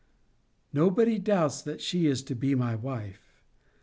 Nobody doubts that she is to be my wife.